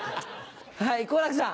はい好楽さん。